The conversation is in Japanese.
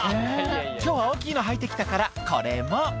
「今日は大きいのはいてきたからこれも」